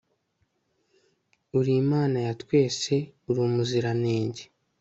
uri imana ya twese, uri umuziranenge